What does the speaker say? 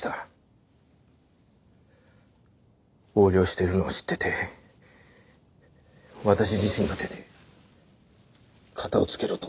横領しているのを知ってて私自身の手で片をつけろと私に命令した。